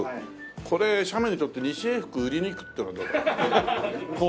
これ写メに撮って西永福売りに行くっていうのはどうだろう？